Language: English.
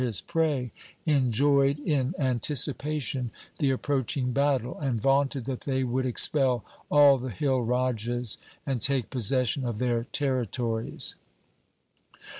THE SIKH RELIGION prey, enjoyed in anticipation the approaching battle, and vaunted that they would expel all the hill rajas and take possession of their territories.